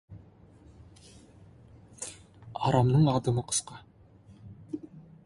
Арамның адымы қысқа.